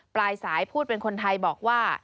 ปลายสายพูดเป็นคนไทยบอกว่า